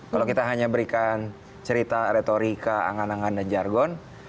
kalau kita hanya berikan cerita retorika angan angan dan jargon